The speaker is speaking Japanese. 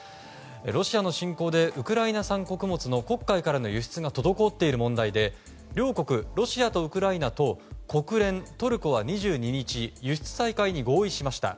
ロシアの侵攻でウクライナ産穀物の黒海からの輸出が滞っている問題で両国、ロシアとウクライナ等国連、トルコは２２日輸出再開に合意しました。